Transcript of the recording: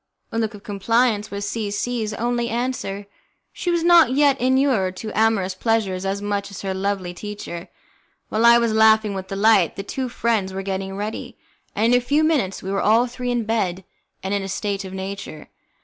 A look of compliance was C C 's only answer; she was not yet inured to amorous pleasures as much as her lovely teacher. While I was laughing with delight, the two friends were getting ready, and in a few minutes we were all three in bed, and in a state of nature.